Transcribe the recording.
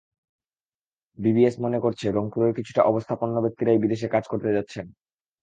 BBS মনে করছে, রংপুরের কিছুটা অবস্থাপন্ন ব্যক্তিরাই বিদেশে কাজ করতে যাচ্ছেন।